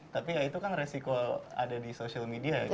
tapi ya itu kan resiko ada di social media